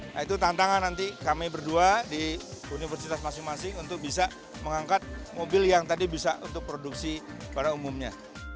nah itu tantangan nanti kami berdua di universitas masing masing untuk bisa mengangkat mobil yang tadi bisa untuk produksi pada umumnya